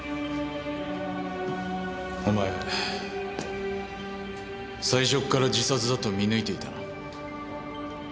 お前最初っから自殺だと見抜いていたな。